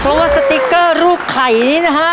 เพราะว่าสติ๊กเกอร์รูปไข่นี้นะฮะ